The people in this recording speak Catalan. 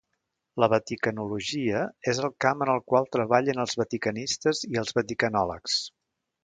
La vaticanologia és el camp en el qual treballen els vaticanistes i els vaticanòlegs.